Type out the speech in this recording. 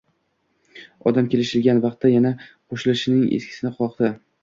Odam kelishilgan vaqtda yana qoʻshnisining eshigini qoqdi